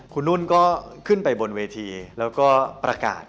คุณนุ่นก็ขึ้นไปบนเวทีแล้วก็ประกาศ